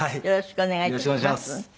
よろしくお願いします。